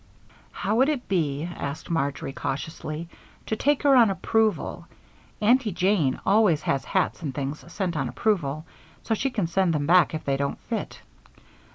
"How would it be," asked Marjory, cautiously, "to take her on approval? Aunty Jane always has hats and things sent on approval, so she can send them back if they don't fit."